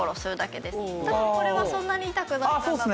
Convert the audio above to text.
多分これはそんなに痛くないかなと。